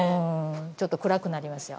ちょっと暗くなりますよ。